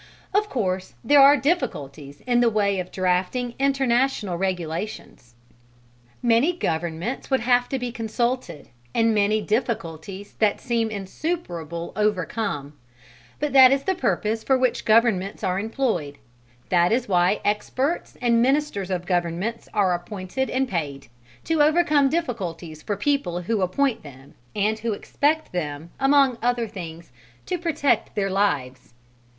Of course there are difficulties in the way of drafting international regulations: many governments would have to be consulted and many difficulties that seem insuperable overcome; but that is the purpose for which governments are employed, that is why experts and ministers of governments are appointed and paid to overcome difficulties for the people who appoint them and who expect them, among other things, to protect their lives.